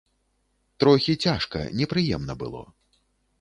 Трохі цяжка, непрыемна было.